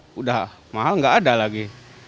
sudah mahal nggak ada lagi